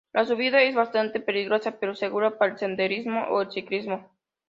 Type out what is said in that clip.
La subida es bastante peligrosa, pero segura para el senderismo o el ciclismo.